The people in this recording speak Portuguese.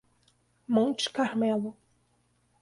Monte Carmelo